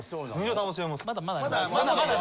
まだまだ。